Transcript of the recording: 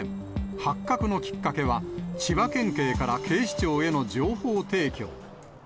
発覚のきっかけは、千葉県警から警視庁への情報提供。